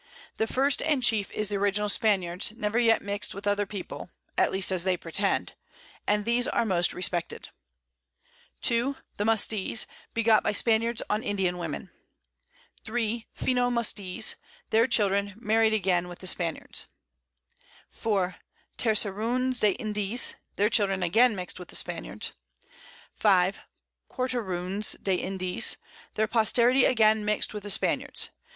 The first and chief is the original Spaniards, never yet mix'd with other People (at least as they pretend) and these are most respected. 2. The Mustees, begot by Spaniards on Indian Women. 3. Fino Mustees, their Children married again with the Spaniards. 4. Terceroons de Indies, their Children again mix'd with the Spaniards. 5. Quarteroons de Indies, their Posterity again mix'd with the Spaniards.